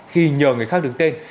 khi nhờ người khác đứng tên